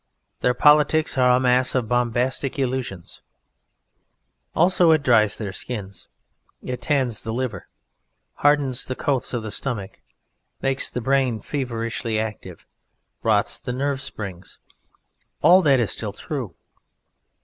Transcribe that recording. Their politics are a mass of bombastic illusions. Also it dries their skins. It tans the liver, hardens the coats of the stomach, makes the brain feverishly active, rots the nerve springs; all that is still true.